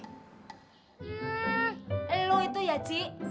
hmm lo itu ya cik